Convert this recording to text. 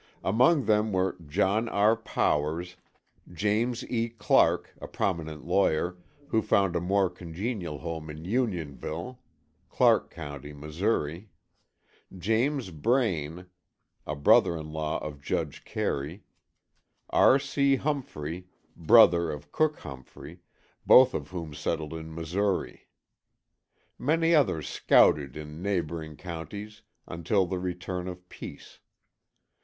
Among them were John R. Powers, James E. Clark, a prominent lawyer, who found a more congenial home at Unionville, Clark County, Missouri; James Brain, a brother in law of Judge Carey; R. C. Humphrey, brother of Cook Humphrey; both of whom settled in Missouri. Many others "scouted" in neighboring counties until the return of peace.